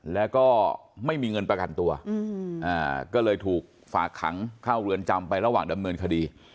แล้วก็ไม่มีเงินประกันตัวก็เลยถูกฝากขังเข้าเรือนจำไประหว่างดำเนินคดี